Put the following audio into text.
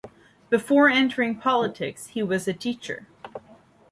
Before entering politics, he was a teacher.